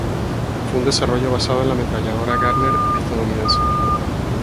Fue un desarrollo basado en la ametralladora Gardner estadounidense.